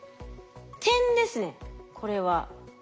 点ですねこれは。